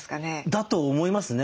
だと思いますね。